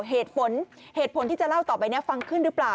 เหตุผลเหตุผลที่จะเล่าต่อไปนี้ฟังขึ้นหรือเปล่า